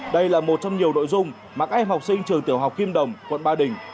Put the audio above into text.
đây là một trong nhiều nội dung mà các em học sinh trường tiểu học kim đồng quận ba đình